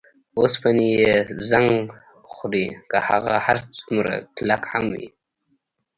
اوسپنې یې زنګ خوري که هغه هر څومره کلکې هم وي.